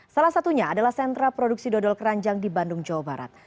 salah satunya adalah sentra produksi dodol keranjang di bandung jawa barat